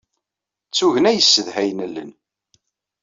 D tugna yessedhayen allen.